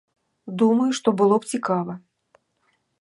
Думаю, што было б цікава.